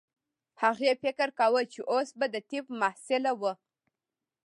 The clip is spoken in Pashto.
هغې فکر کاوه چې اوس به د طب محصله وه